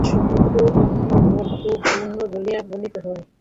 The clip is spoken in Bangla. সমুদ্র অর্ণবপোতে পূর্ণ বলিয়া বর্ণিত হয়।